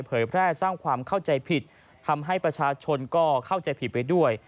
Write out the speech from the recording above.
แพร่สร้างความเข้าใจผิดทำให้ประชาชนก็เข้าใจผิดไปด้วย